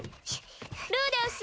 ルーデウス？